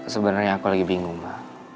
sebenarnya aku lagi bingung